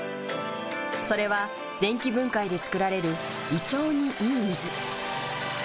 それは電気分解で作られる胃腸にいい水。